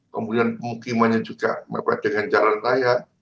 kemudian pemukimannya juga mepet dengan jalan raya